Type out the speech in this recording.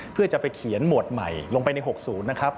เพื่อจะไปเขียนหมวดใหม่ลงไปใน๖๐นะครับ